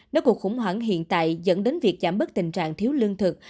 nếu cuộc khủng hoảng hiện tại dẫn đến việc giảm bớt tình trạng thiếu lương thực